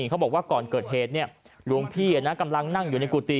เขาบอกว่าก่อนเกิดเหตุหลวงพี่กำลังนั่งอยู่ในกุฏิ